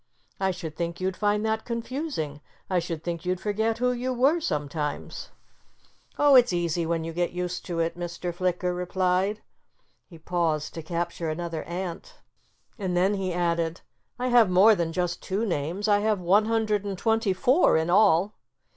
"I should think you'd find that confusing. I should think you'd forget who you were, sometimes." "Oh! It's easy when you get used to it," Mr. Flicker replied. He paused to capture another ant. And then he added, "I have more than just two names. I have one hundred and twenty four in all."